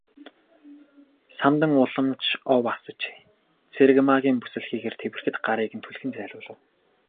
Самдан улам ч ов асаж Цэрэгмаагийн бүсэлхийгээр тэврэхэд гарыг нь түлхэн зайлуулав.